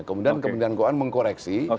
kemudian kemudian kuan mengkoreksi